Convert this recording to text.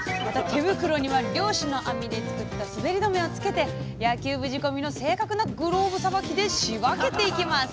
手袋には漁師の網で作った滑り止めをつけて野球部仕込みの正確なグローブさばきで仕分けていきます